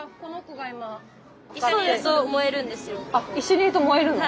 あっ一緒にいると燃えるの？